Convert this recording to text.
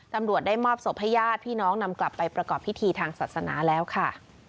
ตำรวจได้มอบศพให้ญาติพี่น้องนำกลับไปประกอบพิธีทางศาสนาแล้วค่ะ